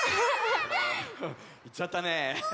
いっちゃったね。